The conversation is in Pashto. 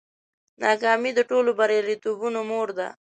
ناکامي د ټولو بریالیتوبونو مور ده.